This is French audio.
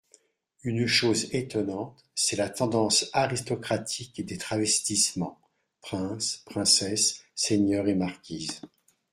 Une chose étonnante, c'est la tendance aristocratique des travestissements ; princes, princesses, seigneurs et marquises.